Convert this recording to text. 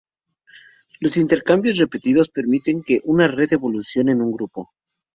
Los intercambios repetidos permiten que una red evolucione en un grupo.